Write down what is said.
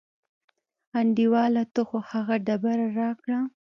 انډیواله ته خو هغه ډبره راکړه.